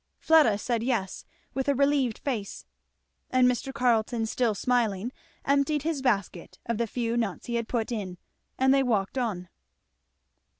Fleda said yes, with a relieved face, and Mr. Carleton still smiling emptied his basket of the few nuts he had put in, and they walked on.